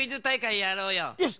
よし！